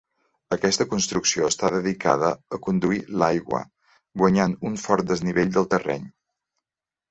Aquesta construcció està dedicada a conduir l'aigua, guanyant un fort desnivell del terreny.